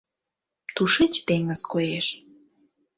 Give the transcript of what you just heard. Тушеч теҥыз коеш.